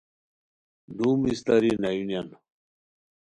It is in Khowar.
ڈوم استاری نیونیان